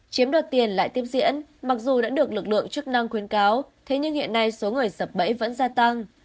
chiếm đoạt tiền lại tiếp diễn mặc dù đã được lực lượng chức năng khuyến cáo thế nhưng hiện nay số người sập bẫy vẫn gia tăng